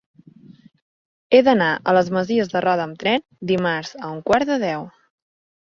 He d'anar a les Masies de Roda amb tren dimarts a un quart de deu.